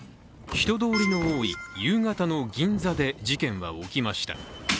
人通りの多い夕方の銀座で事件は起きました。